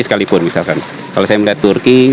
sekalipun misalkan kalau saya melihat turki